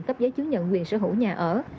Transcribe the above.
cấp giấy chứng nhận quyền sở hữu nhà ở